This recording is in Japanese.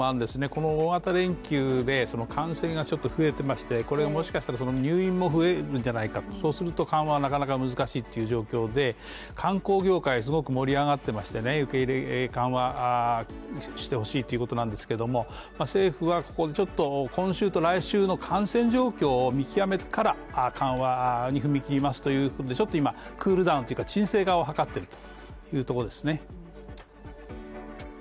この大型連休で感染がちょっと増えていましてもしかしたら入院も増えるのではないか、そうすると緩和はなかなか難しいという状況で、観光業界、すごく盛り上がっていましてね、受け入れ緩和してほしいということなんですけれども、政府はここをちょっと今週と来週の感染状況を見極めてから緩和に踏み切りますということで、ちょっと今、クールダウンというか沈静化を図っているというところですね。